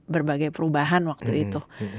berbagai perubahan waktu itu